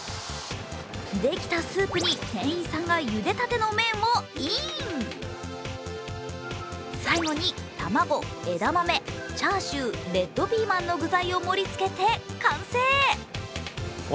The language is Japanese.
できたスープに店員さんが茹でたての麺をイン最後にタマゴ、エダマメ、チャーシュー、レッドピーマンの具材を盛りつけて完成。